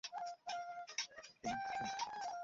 হেই, শোনো।